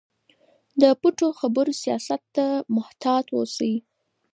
د پټو خبرو سیاست ته محتاط اوسئ.